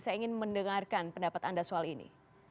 saya ingin mendengarkan pendapat anda soal ini